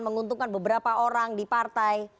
menguntungkan beberapa orang di partai